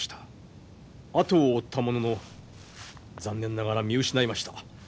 後を追ったものの残念ながら見失いました。